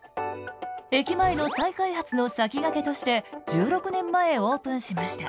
駅前の再開発の先駆けとして１６年前オープンしました。